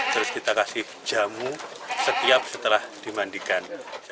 terus kita kasih jamu setiap setelah dimandikan